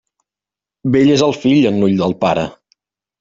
Bell és el fill en l'ull del pare.